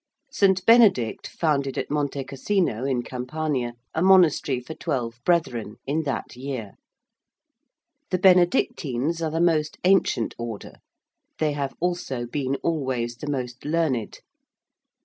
St. Benedict founded at Monte Casino in Campania a monastery for twelve brethren in that year. The Benedictines are the most ancient Order: they have also been always the most learned.